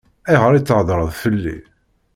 Ayɣer i theddṛeḍ fell-i?